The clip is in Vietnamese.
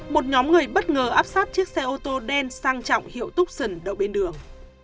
một nhóm người bất ngờ áp sát chiếc xe ô tô đen sang trọng hiệu tokion đậu bên đường